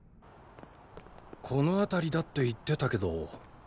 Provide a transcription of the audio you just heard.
この辺りだって言ってたけど。